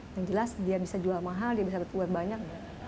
yang jelas dia bisa jual mahal dia bisa buat banyak